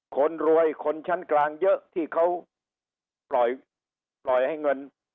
คนรวยคนชั้นกลางเยอะที่เขาปล่อยให้เงิน